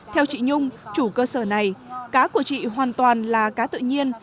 theo chị nhung chủ cơ sở này cá của chị hoàn toàn là cá tự nhiên